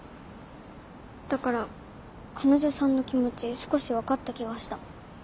だから彼女さんの気持ち少し分かった気がした。